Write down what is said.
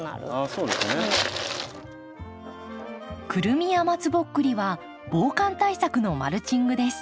クルミや松ぼっくりは防寒対策のマルチングです。